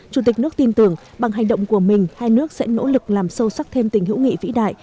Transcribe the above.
chủ tịch nước tin tưởng bằng hành động của mình hai nước sẽ nỗ lực làm sâu sắc thêm tình hữu nghị vĩ đại